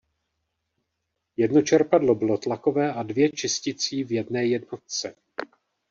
Jedno čerpadlo bylo tlakové a dvě čisticí v jedné jednotce.